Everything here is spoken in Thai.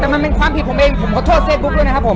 แต่มันเป็นความผิดผมเองผมขอโทษเฟซบุ๊คด้วยนะครับผม